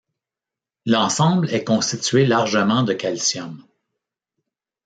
L'ensemble est constitué largement de calcium.